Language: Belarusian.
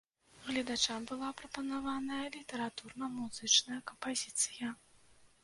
Гледачам была прапанаваная літаратурна-музычная кампазіцыя.